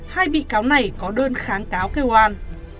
hai bị cáo này có đơn kháng cáo kêu an